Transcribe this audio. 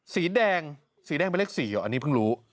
สีแดงสีแดงเป็นเลข๔อันนี้เพิ่งรู้